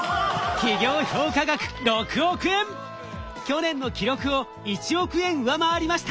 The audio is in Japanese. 去年の記録を１億円上回りました！